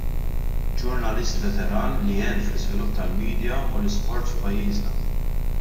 Ġurnalist veteran li għen fl-iżvilupp tal-medja u l-isport f'pajjiżna.